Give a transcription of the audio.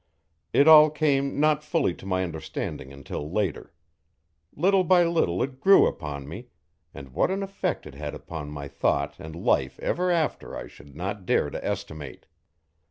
It all came not fully to my understanding until later. Little by little it grew upon me, and what an effect it had upon my thought and life ever after I should not dare to estimate.